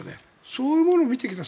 そういうものを見てきた。